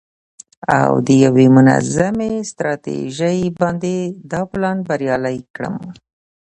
او د یوې منظمې ستراتیژۍ باندې دا پلان بریالی کړم.